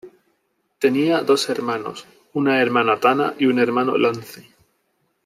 Tenía dos hermanos: una hermana Tana y un hermano Lance.